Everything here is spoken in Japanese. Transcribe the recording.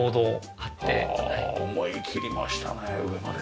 あ思いきりましたね上まで。